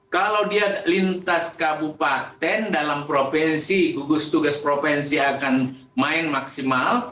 kalau dia lintas kabupaten dalam provinsi gugus tugas provinsi akan main maksimal